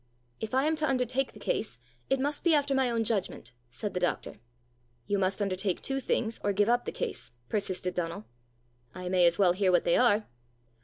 "If I am to undertake the case, it must be after my own judgment," said the doctor. "You must undertake two things, or give up the case," persisted Donal. "I may as well hear what they are."